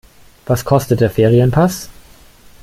Was kostet der Ferienpass?